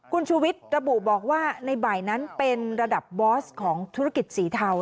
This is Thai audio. คุณชูวิทย์ระบุบอกว่าในบ่ายนั้นเป็นระดับบอสของธุรกิจสีเทา